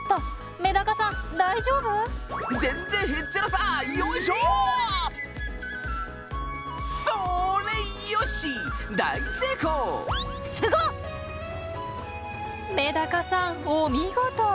メダカさんお見事！